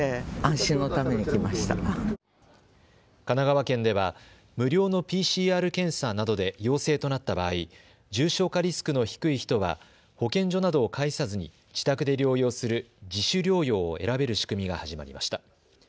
神奈川県では、無料のＰＣＲ検査などで陽性となった場合、重症化リスクの低い人は保健所などを介さずに自宅で療養する自主療養を選べる仕組みが始まりました。